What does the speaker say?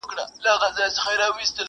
نور په تیاره کي لار لیکم په رڼا نه راځمه,